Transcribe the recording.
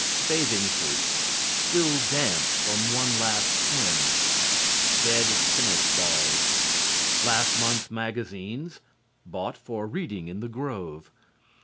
Bathing suits, still damp from the "one last swim." Dead tennis balls. Last month's magazines, bought for reading in the grove.